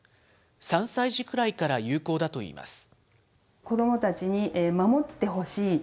３歳児くらいから有効だといいます。